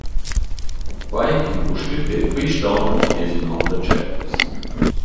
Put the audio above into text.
Quai impustüt eir quist on chi’d es ün on da tschernas.